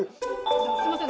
すいません。